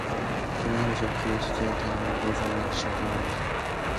원하는 것을 얻기 위한 첫번째 단계는 내가 무엇을 원하는지 결정하는 것이다.